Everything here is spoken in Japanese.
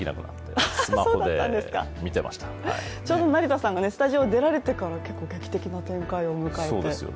そうだったんですか、ちょうど成田さんがスタジオを出られてから劇的な展開を迎えて。